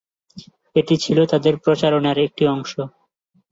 এটি ছিলো তাদের প্রচারণার একটি অংশ।